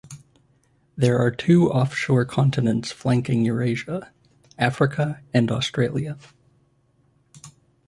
There are two offshore continents flanking Eurasia: Africa and Australia.